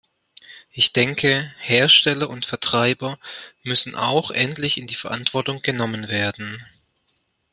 Ich denke, Hersteller und Vertreiber müssen auch endlich in die Verantwortung genommen werden.